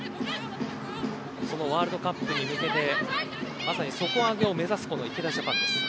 そのワールドカップに向けてまさに底上げを目指す池田ジャパン。